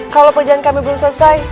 kalau pujian kami belum selesai